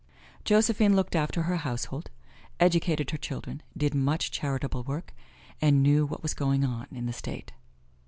Josephine looked after her household, educated her children, did much charitable work, and knew what was going on in the State.